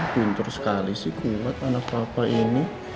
pinter sekali sih kuat anak papa ini